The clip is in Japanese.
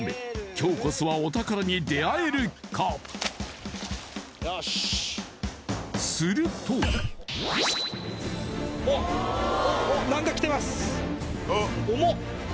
今日こそはお宝に出会えるかよしするとおっおっおっ